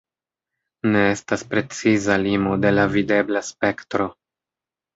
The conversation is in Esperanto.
Ne estas preciza limo de la videbla spektro.